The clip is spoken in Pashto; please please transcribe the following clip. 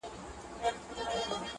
• چـي اخترونـه پـه واوښـتــل.